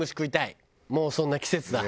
もうそんな季節だ。